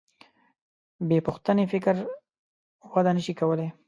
بېپوښتنې فکر وده نهشي کولی.